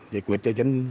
giải quyết cho dân